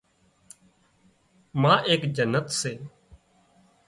ما ايڪ جنت سي